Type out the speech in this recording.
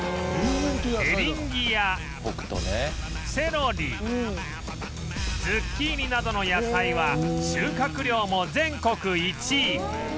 エリンギやセロリズッキーニなどの野菜は収穫量も全国１位